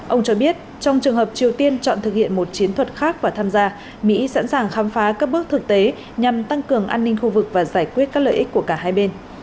ông cho biết trong trường hợp triều tiên chọn thực hiện một chiến thuật khác và tham gia mỹ sẵn sàng khám phá các bước thực tế nhằm tăng cường an ninh khu vực và giải quyết các lợi ích của cả hai bên